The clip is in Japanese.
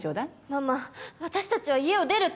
ママ私たちは家を出るって。